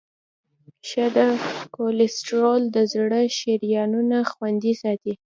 ښه کولیسټرول د زړه شریانونه خوندي ساتي.